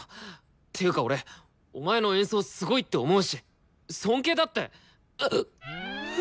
ていうか俺お前の演奏すごいって思うし尊敬だって。